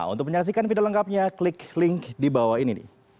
untuk menyaksikan video lengkapnya klik link di bawah ini